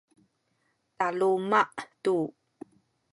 taluma’ tu